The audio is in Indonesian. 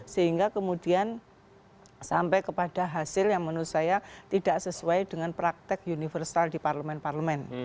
sehingga kemudian sampai kepada hasil yang menurut saya tidak sesuai dengan praktek universal di parlemen parlemen